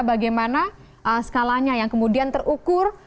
bagaimana skalanya yang kemudian terukur